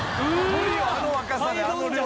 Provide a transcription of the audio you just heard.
無理よあの若さであの量のあら煮は。